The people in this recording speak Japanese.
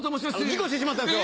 事故してしまったんですよ。